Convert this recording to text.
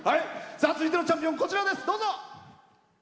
続いてのチャンピオンです。